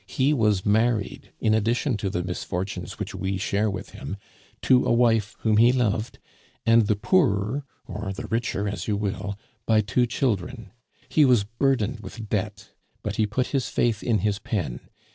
He was married, in addition to the misfortunes which we share with him, to a wife whom he loved; and the poorer or the richer, as you will, by two children. He was burdened with debt, but he put his faith in his pen.